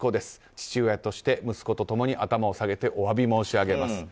父親として息子と共に頭を下げてお詫び申し上げます。